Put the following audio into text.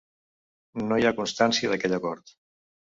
No hi ha constància d'aquell acord.